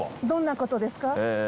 どんなことですか？